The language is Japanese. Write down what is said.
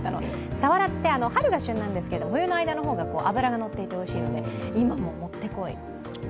サワラって、春が旬なんですけど冬の間の方が脂がのっていておいしいので、今、もってこい。